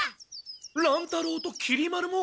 乱太郎ときり丸も？